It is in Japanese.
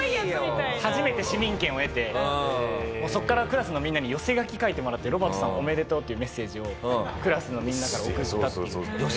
初めて市民権を得てそこからクラスのみんなに寄せ書き書いてもらって「ロバートさんおめでとう」っていうメッセージをクラスのみんなから送ったっていう。